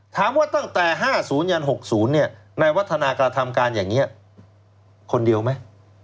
ตั้งแต่๕๐ยัน๖๐นายวัฒนากระทำการอย่างนี้คนเดียวไหม